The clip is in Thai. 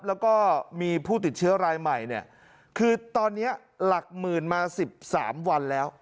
แล้วก็มีผู้ติดเชื้อรายใหม่เนี่ยคือตอนนี้หลักหมื่นมา๑๓วันแล้ว